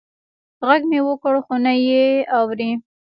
غږ مې وکړ خو نه یې اږري